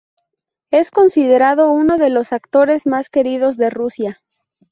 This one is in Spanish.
Es considerado "uno de los actores más queridos de Rusia".